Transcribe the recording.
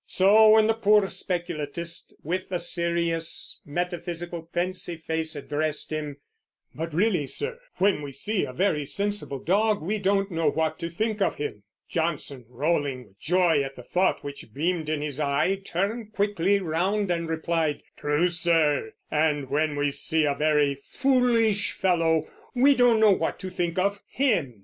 So when the poor speculatist, with a serious, metaphysical, pensive face, addressed him, "But really, sir, when we see a very sensible dog, we don't know what to think of him"; Johnson, rolling with joy at the thought which beamed in his eye, turned quickly round and replied, "True, sir; and when we see a very foolish fellow, we don't know what to think of him."